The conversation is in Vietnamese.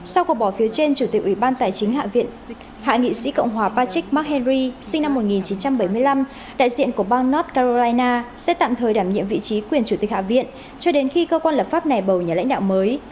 sau cuộc bỏ phiếu trên chủ tịch ủy ban tài chính hạ nghị sĩ cộng hòa patrick mchenry sinh năm một nghìn chín trăm bảy mươi năm đại diện của bang north carolina sẽ tạm thời đảm nhiệm vị trí quyền chủ tịch hạ viện cho đến khi cơ quan lập pháp này bầu nhà lãnh đạo mới